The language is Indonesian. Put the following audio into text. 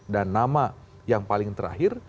dan nama yang paling terakhir